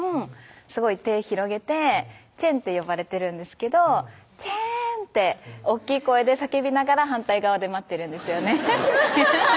すごい手広げてちぇんって呼ばれてるんですけど「ちぇん！」って大っきい声で叫びながら反対側で待ってるんですよね